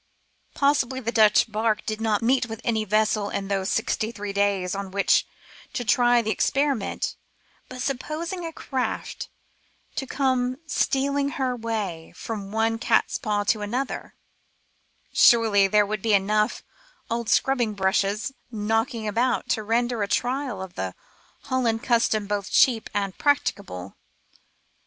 Possibly the Dutch barque did not meet with any vessel in those sixty thi:ee days on which to try the experi ment ; but supposing a craft to have come stealing her way from one catspaw to another, surely there would be enough old scrubbing brushes " knocking about " to render a trial of the Holland custom both cheap and practicable.